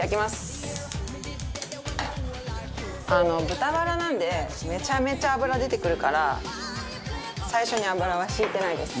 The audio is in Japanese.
豚バラなんでめちゃめちゃ脂出てくるから最初に油は引いてないです。